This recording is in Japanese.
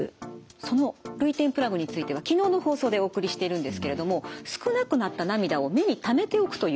その涙点プラグについては昨日の放送でお送りしてるんですけれども少なくなった涙を目にためておくというものなんです。